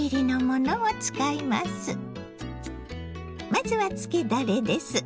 まずはつけだれです。